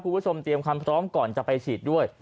คุณผู้ชมเตรียมความพร้อมก่อนจะไปฉีดด้วย